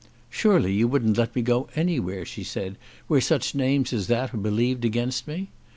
"Surely you wouldn't let me go anywhere," she said, "where such names as that are believed against me?"